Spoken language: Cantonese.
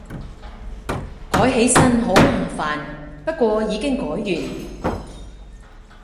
改起身好麻煩，不過已經改完